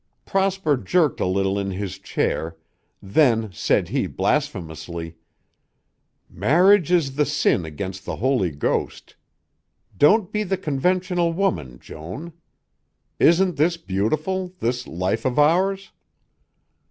Prosper jerked a little in his chair, then said he blasphemously, "Marriage is the sin against the Holy Ghost. Don't be the conventional woman, Joan. Isn't this beautiful, this life of ours?"